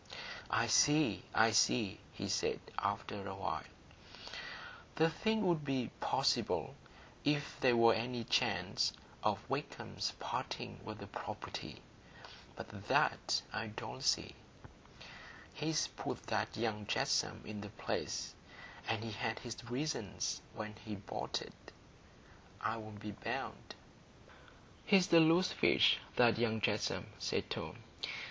"I see, I see," he said, after a while; "the thing would be possible if there were any chance of Wakem's parting with the property. But that I don't see. He's put that young Jetsome in the place; and he had his reasons when he bought it, I'll be bound." "He's a loose fish, that young Jetsome," said Tom.